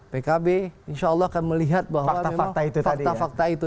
pak hasbi insya allah akan melihat bahwa memang fakta fakta itu